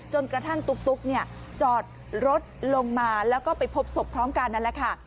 กระทั่งตุ๊กเนี่ยจอดรถลงมาแล้วก็ไปพบศพพร้อมกันนั่นแหละค่ะ